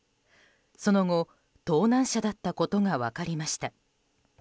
その後、盗難車だったことが分かりました。